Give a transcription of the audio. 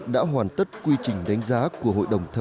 đã hoàn tất quy trình đánh giá của hội đồng tổ chức